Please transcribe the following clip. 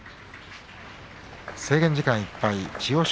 制限時間いっぱい千代翔